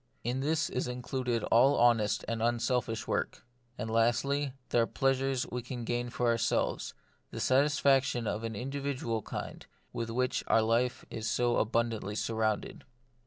In this is included all honest and un selfish work. And lastly, there are the plea The Mystery of Pain, 93 sures we can gain for ourselves, the satisfac tions of an individual kind with which our life is so abundantly surrounded.